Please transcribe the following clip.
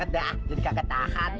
terus digunapkanmbang saya lagi